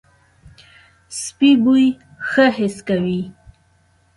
سپي بوی ښه حس کوي.